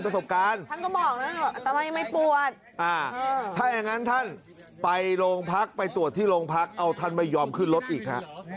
ถ้าอย่างนั้นท่านไปโรงพรรคไปตรวจที่โรงพรรคเอาท่านไปยอมขึ้นรถอีกฮะ